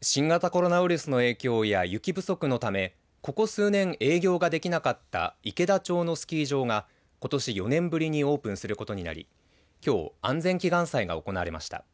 新型コロナウイルスの影響や雪不足のためここ数年、営業ができなかった池田町のスキー場が、ことし４年ぶりにオープンすることになりきょう、安全祈願祭が行われました。